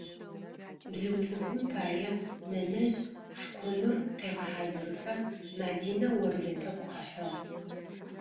Бзыу цӏыкӏум пае нэнэжъ шкъуныр къегъэхьазырыфэ Мадинэ орзэ тӏэкӏу къыхьыгъ.